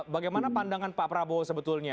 bagaimana pandangan pak prabowo sebetulnya